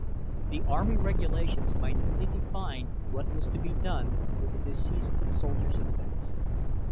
The Army regulations minutely defined what was to be done with a deceased soldier's effects.